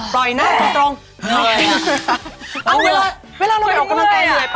ปล่อยหน้ากลับตรงอ้าวเวลามือเหนื่อย